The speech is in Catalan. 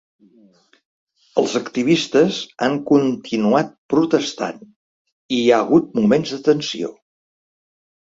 Els activistes han continuat protestant i hi ha hagut moments de tensió.